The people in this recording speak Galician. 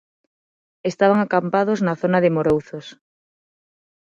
Estaban acampados na zona de Morouzos.